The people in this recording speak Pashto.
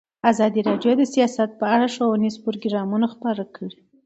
ازادي راډیو د سیاست په اړه ښوونیز پروګرامونه خپاره کړي.